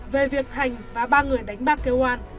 về việc thành và ba người đánh bạc kêu an